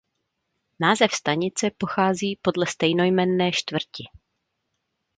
Název stanice pochází podle stejnojmenné čtvrti.